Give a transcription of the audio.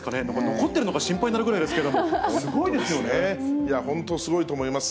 残っているのか心配になるぐらい本当、すごいと思います。